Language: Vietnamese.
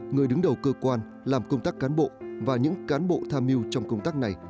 người đứng đầu cơ quan làm công tác cán bộ và những cán bộ tham mưu trong công tác này